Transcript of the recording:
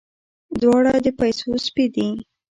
دواړه د پيسو سپي دي.